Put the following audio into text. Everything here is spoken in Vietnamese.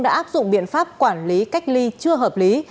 đã áp dụng biện pháp quản lý cách ly chưa hợp lý